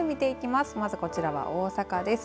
まず、こちらは大阪です。